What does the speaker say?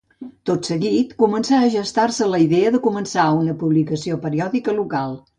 Tot seguit començà a gestar-se la idea de començar una publicació periòdica local.